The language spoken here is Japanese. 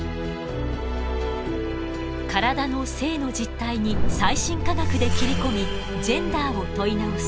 体の性の実態に最新科学で切り込みジェンダーを問い直す。